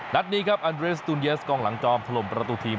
นัดนี้ครับอันเรสตูนเยสกองหลังจอมถล่มประตูทีม